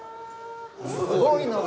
すごいのが！